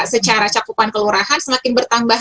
secara cakupan kelurahan semakin bertambah